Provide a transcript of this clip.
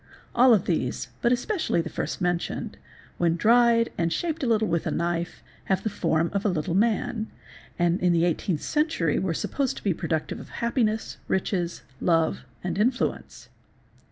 All of these, but especially the first mentioned, when dried and shaped a little with a knife, have the form of a little man, and in the 18th century were supposed to be productive of happiness, riches, | love, and influence.